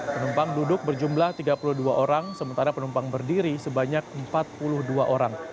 penumpang duduk berjumlah tiga puluh dua orang sementara penumpang berdiri sebanyak empat puluh dua orang